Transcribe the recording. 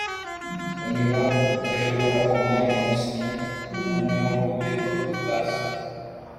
niba udashobora kuba muskie noneho ube bass -